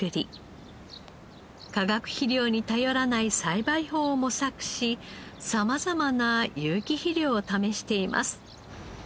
化学肥料に頼らない栽培法を模索し様々な有機肥料を試しています。